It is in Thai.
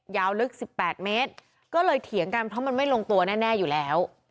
ยาวลึก๑๘เมตรก็เลยเถียงกันเพราะมันไม่ลงตัวแน่อยู่แล้ว